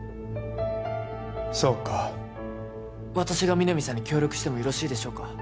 そうか私が皆実さんに協力してもよろしいでしょうか？